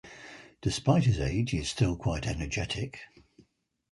Despite his age, he is still quite energetic.